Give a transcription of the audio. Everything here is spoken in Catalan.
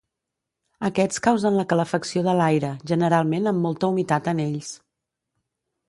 Aquests causen la calefacció de l'aire, generalment amb molta humitat en ells.